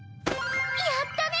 やったね！